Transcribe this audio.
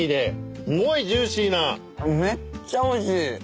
めっちゃおいしい。